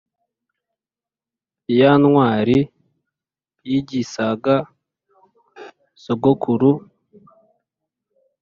ya ntwari y’igisaga, sogokuru,